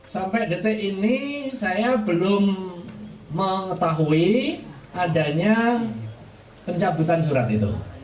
sampai detik ini saya belum mengetahui adanya pencabutan surat itu